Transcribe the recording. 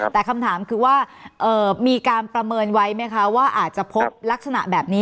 แต่คำถามคือว่ามีการประเมินไว้ไหมคะว่าอาจจะพบลักษณะแบบนี้